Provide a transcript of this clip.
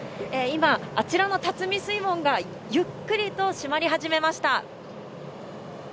今、あちらの辰巳水門が、ゆっくりと閉まり始めました。